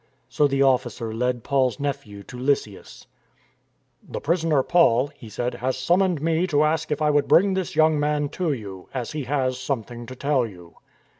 So the officer led Paul's nephew to Lysias. " The prisoner Paul," he said, " has summoned me to ask if I would bring this young man to you, as he has something to tell you."